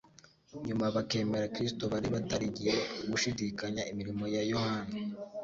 nyuma bakemera Kristo, bari batarigiye gushidikanya imirimo ya Yohana